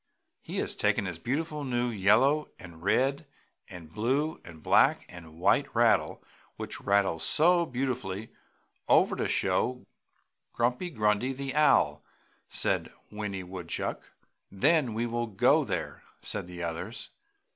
"He has taken his beautiful new yellow and red and blue and black and white rattle, which rattles so beautifully, over to show to Grumpy Grundy, the Owl!" said Winnie Woodchuck. "Then we will go there!" said the others.